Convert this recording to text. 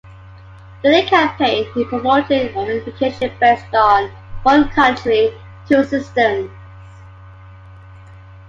During the campaign, he promoted unification based on "one country, two systems".